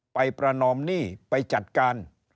ประนอมหนี้ไปจัดการ